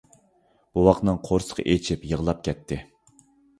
بوۋاقنىڭ قورسىقى ئېچىپ يىغلاپ كەتتى.